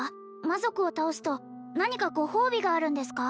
魔族を倒すと何かご褒美があるんですか？